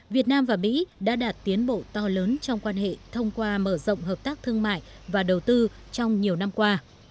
việt nam và mỹ đã đạt tiến bộ to lớn trong quan hệ thông qua mở rộng hợp tác thương mại và đầu tư trong nhiều năm qua